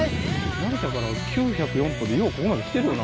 成田から９０４歩でようここまで来てるよな